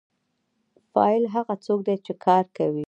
فاعل هغه څوک دی چې کار کوي.